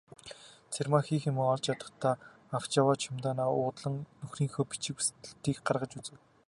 Цэрмаа хийх юмаа олж ядахдаа авч яваа чемоданаа уудлан нөхрийнхөө бичиг сэлтийг гаргаж үзэв.